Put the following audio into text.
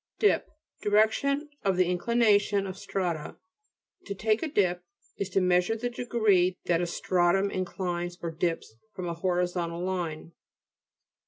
DIP ^Direction of the inclination of strata. " To take a dip," is to mea sure the degree that a stratum in clines or dips from a horizontal line (p.